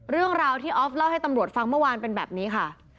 เรื่องราวที่ออฟเล่าให้ตำรวจฟังเมื่อวานเป็นแบบนี้ค่ะ